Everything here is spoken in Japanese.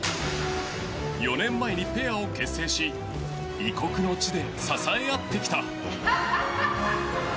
４年前にペアを結成し異国の地で支え合ってきた。